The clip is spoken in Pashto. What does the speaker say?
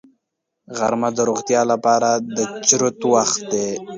غرمه د روغتیا لپاره د چرت وخت دی